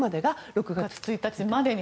６月１日までに。